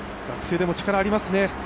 学生でも力がありますね。